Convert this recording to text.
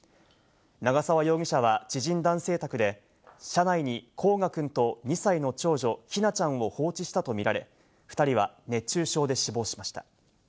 長沢容疑者は知人男性宅で車内に煌翔くんと２歳の長女・姫梛ちゃんを放置したとみられ、２人は熱中症で死亡しました。